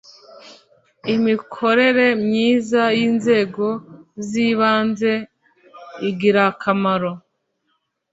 imikorere myiza y ‘inzego z ‘ibanze igirakamaro.